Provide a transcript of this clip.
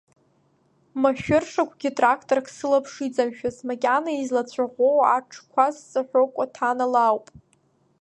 Машәыршақәгьы тракторк сылаԥш иҵамшәац, макьана излацәаӷәоу аҽқәа зҵаҳәо кәаҭанла ауп.